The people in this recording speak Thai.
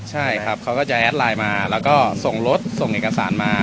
ใช่ครับเขาก็จะแอดไลน์มาแล้วก็ส่งรถส่งเอกสารมา